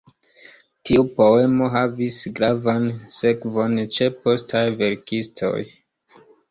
Tiu poemo havis gravan sekvon ĉe postaj verkistoj.